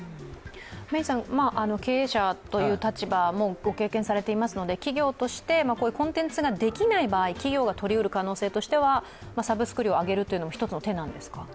メイさんは経営者という立場もご経験されていますので、企業としてこういうコンテンツができない企業が取り得る可能性というのはサブスク料を上げるというのはひとつの手なんですか？